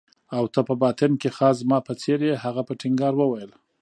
او ته په باطن کې خاص زما په څېر يې. هغه په ټینګار وویل.